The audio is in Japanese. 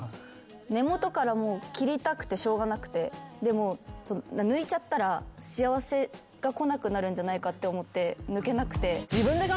根元からもう切りたくてしょうがなくてでも抜いちゃったら幸せが来なくなるんじゃないかって思って抜けなくて。